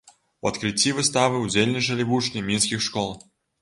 У адкрыцці выставы ўдзельнічалі вучні мінскіх школ.